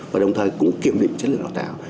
và đồng thời cũng kiểm định chất lượng đào tạo